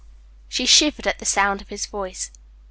She shivered at the sound of his voice.